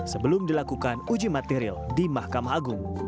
sebelum dilakukan uji material di mahkamah agung